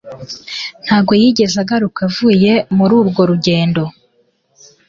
Ntabwo yigeze agaruka avuye muri urwo rugendo